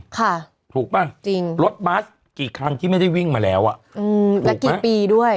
ถูกป่ะรถบัสกี่ครั้งที่ไม่ได้วิ่งมาแล้วและกี่ปีด้วย